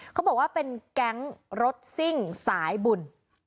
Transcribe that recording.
เขาบอกว่าเป็นแก๊งรถซิ่งสายบุญ